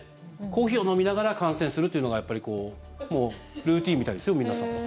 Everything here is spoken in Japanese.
コーヒーを飲みながら観戦するというのがやっぱりルーチンみたいですよ、皆さん。